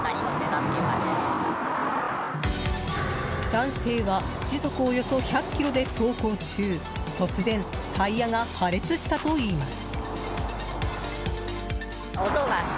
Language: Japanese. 男性は時速およそ１００キロで走行中突然、タイヤが破裂したといいます。